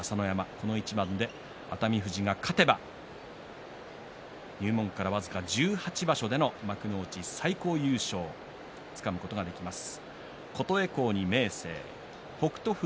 この一番で熱海富士が勝てば入門から僅か１８場所での幕内最高優勝、つかむことができます。